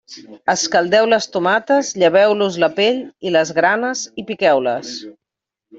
Escaldeu les tomates, lleveu-los la pell i les granes i piqueu-les.